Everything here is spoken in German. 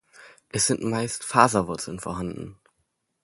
Es sind meist Faserwurzeln vorhanden.